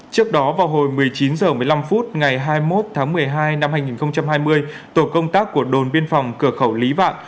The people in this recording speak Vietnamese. trước đó vào hồi một mươi chín h một mươi năm phút ngày hai mươi một tháng một mươi hai năm hai nghìn hai mươi tổ công tác của đồn biên phòng cửa khẩu lý vạn